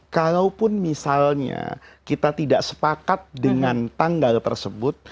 kalaupun misalnya kita tidak sepakat dengan tanggal tersebut